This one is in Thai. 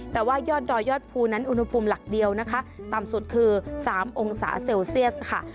แต่ว่ายอดดอยยอดภูนั้นอุณหภูมิหลักเดียวนะคะต่ำสุดคือ๓องศาเซลเซียสค่ะ